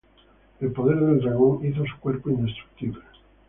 El poder del dragón hizo su cuerpo indestructible.